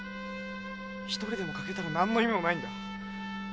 １人でも欠けたら何の意味もないんだ。